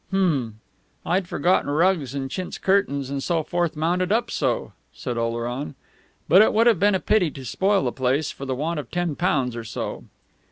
"Hm! I'd forgotten rugs and chintz curtains and so forth mounted up so," said Oleron. "But it would have been a pity to spoil the place for the want of ten pounds or so....